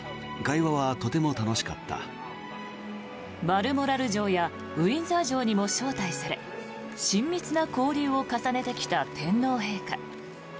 バルモラル城やウィンザー城にも招待され親密な交流を重ねてきた天皇陛下。